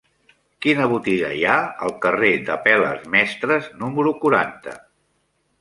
Quina botiga hi ha al carrer d'Apel·les Mestres número quaranta?